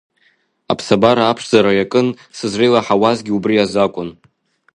Аԥсабара аԥшӡара иакын, сызреилаҳауазгьы убри азакәын.